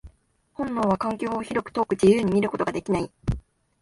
本能は環境を広く、遠く、自由に見ることができない。